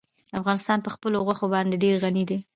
افغانستان په خپلو غوښې باندې ډېر غني دی.